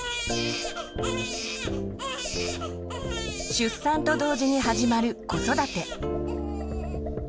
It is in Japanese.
出産と同時に始まる子育て。